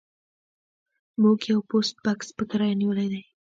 موږ یو پوسټ بکس په کرایه نیولی دی